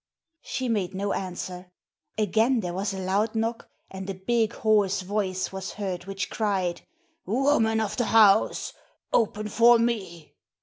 She made no answer. Again there was a loud knock and a big hoarse voice was heard which cried: 'Woman of the house, open for me.'